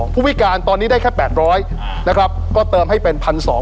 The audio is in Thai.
ผู้พิการตอนนี้ได้แค่๘๐๐นะครับก็เติมให้เป็น๑๒๐๐